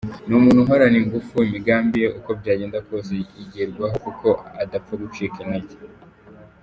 Ni umuntu uhorana ingufu, imigambi ye uko byagenda kose igerwaho kuko adapfa gucika intege.